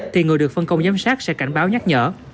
thì người được phân công giám sát sẽ cảnh báo nhắc nhở